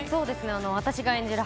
私が演じる